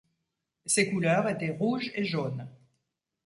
Ses couleurs étaient Rouge et Jaune.